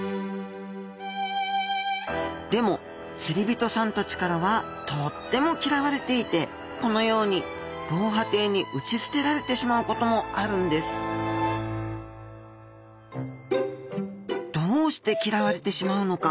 でも釣り人さんたちからはとっても嫌われていてこのように防波堤に打ち捨てられてしまうこともあるんですどうして嫌われてしまうのか？